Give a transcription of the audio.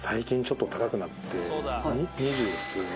２０数万？